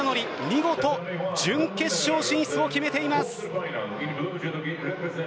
見事、準決勝進出を決めています。